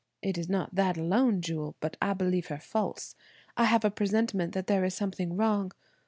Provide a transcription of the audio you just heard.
"It is not that alone, Jewel, but I believe her false. I have a presentiment that there is something wrong.